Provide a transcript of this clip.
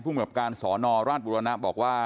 ผู้เหมาะกับการศนราชบุรณะบอกว่า